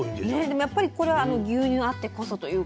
でもやっぱりこれあの牛乳あってこそというか。